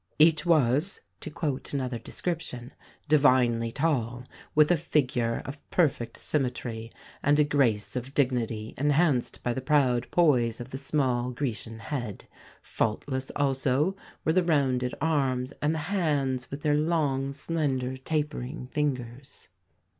"Each was," to quote another description, "divinely tall, with a figure of perfect symmetry, and a grace of dignity enhanced by the proud poise of the small Grecian head. Faultless also were the rounded arms and the hands, with their long, slender tapering fingers."